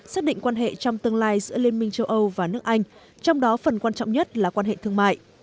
xác định quan hệ trong tương lai giữa liên minh châu âu và nước anh trong đó phần quan trọng nhất là quan hệ thương mại